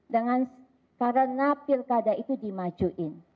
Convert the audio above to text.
dengan karena pilkada itu dimajuin